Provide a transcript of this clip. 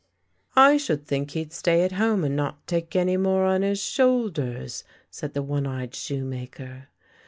" I should think he'd stay at home and not take more on his shoulders! " said the one eyed shoemaker.